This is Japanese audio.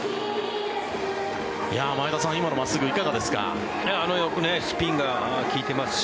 前田さん、今のはいかがですか？